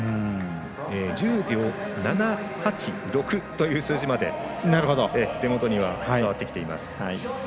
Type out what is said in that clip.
１０秒７８６という数字まで手元には伝わってきています。